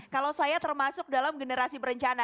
kalau saya termasuk dalam generasi berencana